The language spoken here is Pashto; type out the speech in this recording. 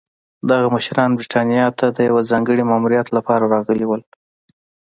دغه مشران برېټانیا ته د یوه ځانګړي ماموریت لپاره راغلي وو.